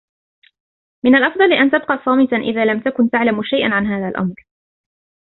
من الافضل أن تبقی صامتا إذا لم تكن تعلم شيئا عن هذا الأمر